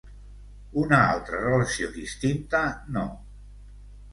Una altra relació, distinta, no.